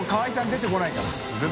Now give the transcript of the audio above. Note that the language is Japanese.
出てこないんだ。